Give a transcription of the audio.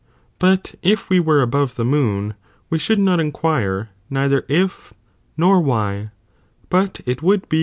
But if we were above the moon we should '^ ^Jj jj not inquire neither i^ nor why, but it would be out tnta.